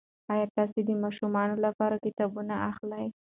ایا تاسي د ماشومانو لپاره کتابونه اخلئ؟